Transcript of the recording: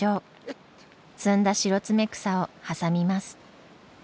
摘んだシロツメクサを挟みます。